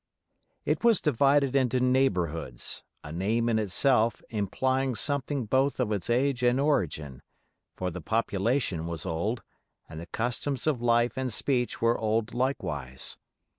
It was divided into "neighborhoods", a name in itself implying something both of its age and origin; for the population was old, and the customs of life and speech were old likewise.